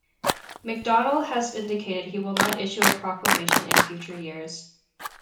McDonnell has indicated that he will not issue a proclamation in future years.